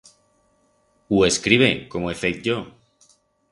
U escribe, como he feit yo.